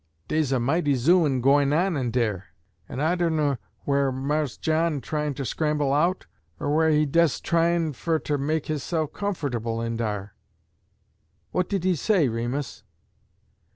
"Dey's a mighty zooin' gwine on in dar, en I dunner whe'er Mars John tryin' ter scramble out, er whe'er he des tryin' fer ter make hisself comfertuble in dar." "What did he say, Remus?"